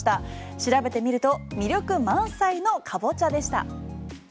調べてみると魅力満載のカボチャでした。